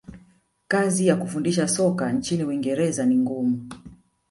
kazi ya kufundisha soka nchini uingereza ni ngumu